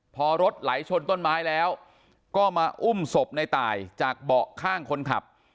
พอรถไหลชนต้นไม้แล้วก็มาอุ้มศพในตายจากเบาะข้างคนขับ